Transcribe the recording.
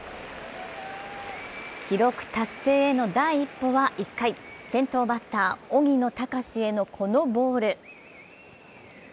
記録達成への第一歩は１回先頭バッター・荻野貴へのこのボール。